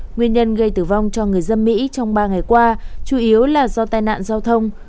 nguyên nhân gây tử vong cho người dân mỹ trong ba ngày qua chủ yếu là do tai nạn giao thông